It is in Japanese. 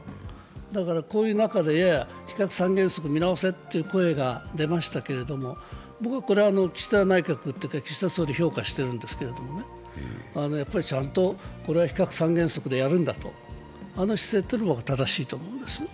だからこういう中で非核三原則見直せという声が出ましたけど僕はこれは岸田総理を評価してるんですけど、ちゃんとこれは非核三原則でやるんだと、あの姿勢というのは正しいと思うんです。